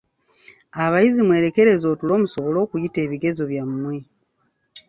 Abayizi, mwerekereze otulo musobole okuyita ebigezo byammwe..